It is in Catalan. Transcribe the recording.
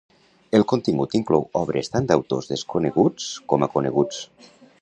El contingut inclou obres tant d'autors desconeguts com a coneguts.